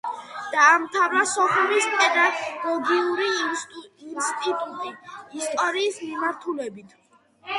დაამთავრა სოხუმის პედაგოგიური ინსტიტუტი, ისტორიის მიმართულებით.